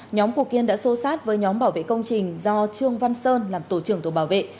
nhóm của kiên đã xô sát với nhóm bảo vệ công trình do trương văn sơn làm tổ trưởng tổ bảo vệ